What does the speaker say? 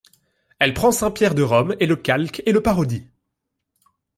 Elle prend Saint-Pierre de Rome, et le calque, et le parodie.